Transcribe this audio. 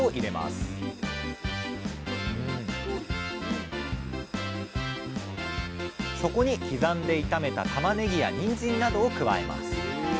そこに刻んで炒めたたまねぎやにんじんなどを加えます